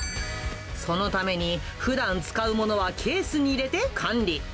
そのために、ふだん使うものはケースに入れて管理。